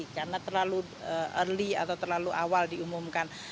karena terlalu awal diumumkan